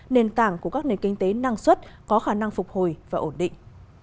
nền tảng của các nền kinh tế năng suất có khả năng phục hồi và ổn định